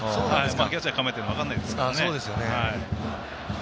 キャッチャー構えてるの分からないですからね。